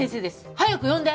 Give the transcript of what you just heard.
早く呼んで。